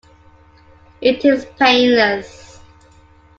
It is painless.